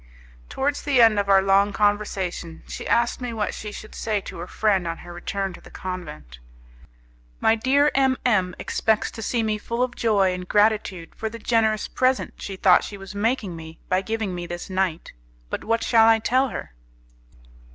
Towards the end of our long conversation, she asked me what she should say to her friend on her return to the convent. "My dear M M expects to see me full of joy and gratitude for the generous present she thought she was making me by giving me this night, but what shall I tell her?"